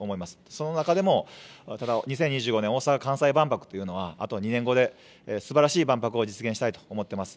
その中でも２０２５年大阪・関西万博というのは、あと２年後で、すばらしい万博を実現したいと思ってます。